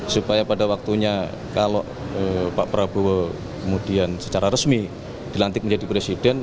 supaya pada waktunya kalau pak prabowo kemudian secara resmi dilantik menjadi presiden